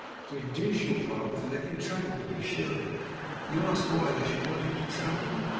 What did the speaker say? To induce your father to let you travel, to be sure. You ask why they should want you to travel?